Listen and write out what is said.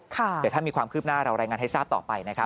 เดี๋ยวถ้ามีความคืบหน้าเรารายงานให้ทราบต่อไปนะครับ